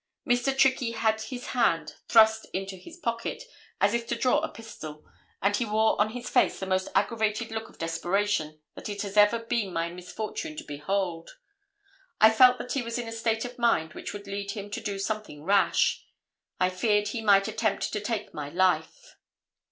Mr. Trickey had his hand thrust into his pocket as if to draw a pistol, and he wore on his face the most aggravated look of desperation that it has ever been my misfortune to behold. I felt that he was in a state of mind which would lead him to do something rash. I feared he might attempt to take my life.